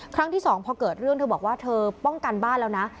ครั้งที่สองพอเกิดเรื่องเธอบอกว่าเธอป้องกันบ้านแล้วนะ